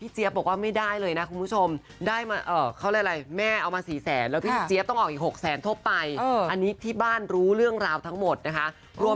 จริงไม่เคยขอหย่าเลย